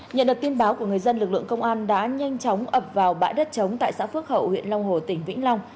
nhận được tin báo của người dân lực lượng công an đã nhanh chóng ập vào bãi đất chống tại xã phước hậu huyện long hồ tỉnh vĩnh long